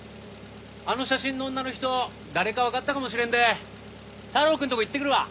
あの写真の女の人誰かわかったかもしれんで太郎くんとこ行ってくるわ。